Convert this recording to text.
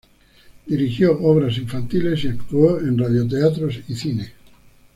Dirigió obras infantiles y actuó en radioteatros y cine.